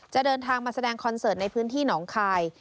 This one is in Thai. เดินทางมาแสดงคอนเสิร์ตในพื้นที่หนองคาย